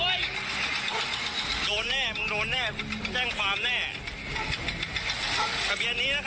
นี่นะครับ